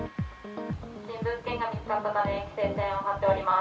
不審物件が見つかったため、規制線を張っております。